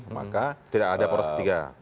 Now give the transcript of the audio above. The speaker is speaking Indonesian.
maka tidak ada poros ketiga